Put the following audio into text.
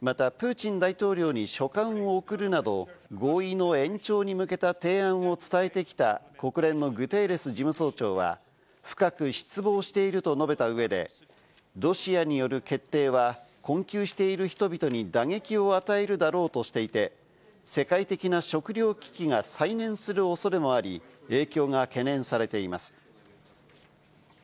またプーチン大統領に書簡を送るなど、合意の延長に向けた提案を伝えてきた国連のグテーレス事務総長は、深く失望していると述べた上で、ロシアによる決定は困窮している人々に打撃を与えるだろうとしていて、世界的な食糧危機が再燃する恐れもあり、影響が懸念されています。